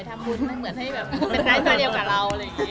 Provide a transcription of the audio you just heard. ไม่เหมือนให้เป็นรายฟ้าเดียวกับเรา